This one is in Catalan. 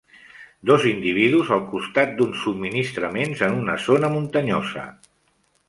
Dos individus al costat d'uns subministraments en una zona muntanyosa.